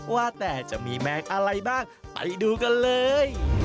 ว่าแต่จะมีแมงอะไรบ้างไปดูกันเลย